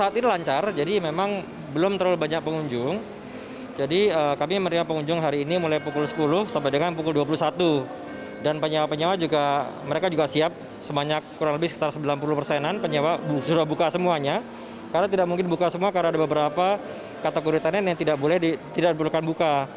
tidak mungkin buka semua karena ada beberapa kategoritanya yang tidak boleh dibuka